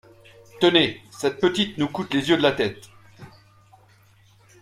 Tenez, cette petite nous coûte les yeux de la tête.